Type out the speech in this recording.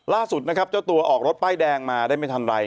ล่าสุดนะครับเจ้าตัวออกรถป้ายแดงมาได้ไม่ทันไร